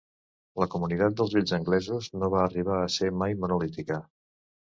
La comunitat dels Vells anglesos no va arribar a ser mai monolítica.